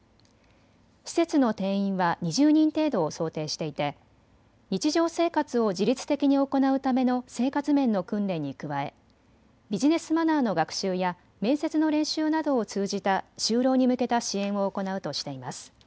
施設の定員は２０人程度を想定していて日常生活を自立的に行うための生活面の訓練に加え、ビジネスマナーの学習や面接の練習などを通じた就労に向けた支援を行うとしています。